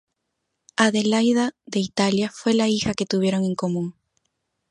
Adelaida de Italia fue la hija que tuvieron en común.